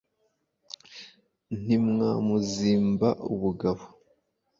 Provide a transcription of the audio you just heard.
ntimwamuzimba ubugabo